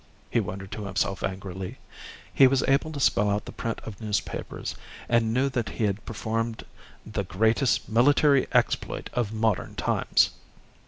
he wondered to himself angrily. He was able to spell out the print of newspapers, and knew that he had performed the "greatest military exploit of modern times."